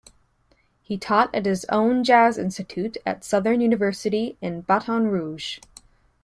He taught at his own jazz institute at Southern University in Baton Rouge.